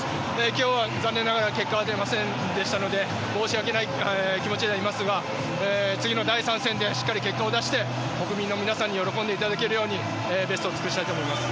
今日は残念ながら結果は出ませんでしたので申し訳ない気持ちではいますが次の第３戦ではしっかり結果を出して国民の皆さんに喜んでいただけるようにベストを尽くしたいと思います。